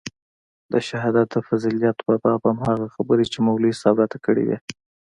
د شهادت د فضيلت په باب هماغه خبرې چې مولوي صاحب راته کړې وې.